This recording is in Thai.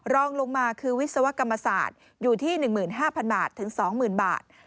รองลงมาคือวิศวกรรมศาสตร์อยู่ที่๑๕๐๐บาทถึง๒๐๐๐บาท